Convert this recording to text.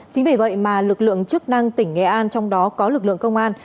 chính bởi vậy mà lực lượng chức năng tỉnh nghệ an trong đó có lực lượng công an